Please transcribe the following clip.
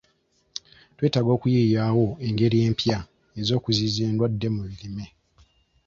Twetaaga okuyiiyiwo engeri empya ez'okuziyiza endwadde mu birime.